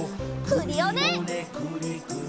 クリオネ！